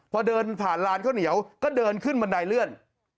พอเดินผ่านลานข้าวเหนียวก็เดินขึ้นบันไดเลื่อน